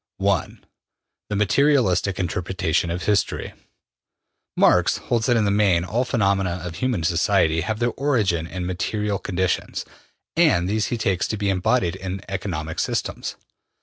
1. The Materialistic Interpretation of History. Marx holds that in the main all the phenomena of human society have their origin in material conditions, and these he takes to be embodied in economic systems.